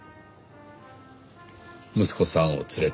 息子さんを連れて。